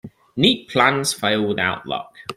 Neat plans fail without luck.